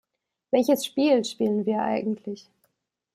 Welches Spiel spielen wir eigentlich?